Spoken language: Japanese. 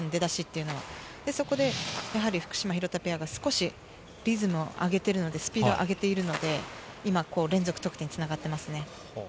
この２ゲーム目の出だしで、そこで福島・廣田ペアが少しリズムを上げているので、スピードは上げているので、今、連続得点に繋がっていますね。